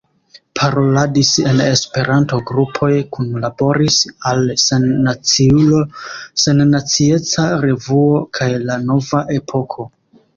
Paroladis en Esperanto-grupoj, kunlaboris al Sennaciulo, Sennacieca Revuo kaj La Nova Epoko.